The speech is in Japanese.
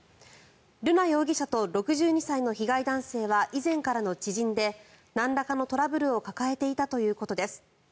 瑠奈容疑者と６２歳の被害男性は以前からの知人でなんらかのトラブルを抱えていたということです。